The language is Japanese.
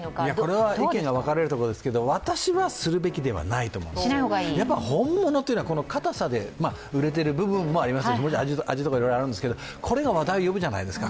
これは意見が分かれるところですが、私はするべきではないと思う本物というのはこのかたさで売れている部分もありますし、味とかいろいろあるんですけど、これが話題を呼ぶじゃないですか